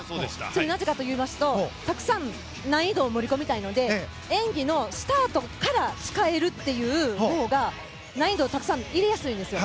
なぜかといいますと、たくさん難易度を盛り込みたいので演技のスタートから使えるほうが難易度をたくさん入れやすいんですよ。